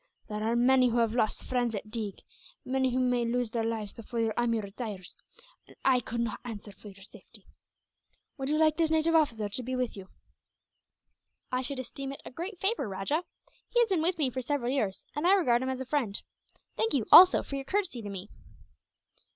There are many who have lost friends at Deeg, many who may lose their lives before your army retires, and I could not answer for your safety. Would you like this native officer to be with you?" "I should esteem it a great favour, Rajah. He has been with me for several years, and I regard him as a friend. Thank you, also, for your courtesy to me."